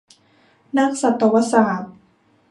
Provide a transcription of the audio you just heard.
นักสัตวศาสตร์